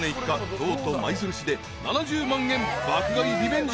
京都舞鶴市で７０万円爆買いリベンジ